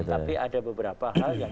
tapi ada beberapa hal